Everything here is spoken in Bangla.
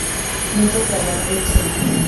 নীচে চলো, দিচ্ছি।